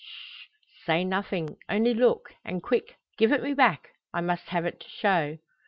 Sh! say nothing, only look, and quick, give it me back. I must have it to show."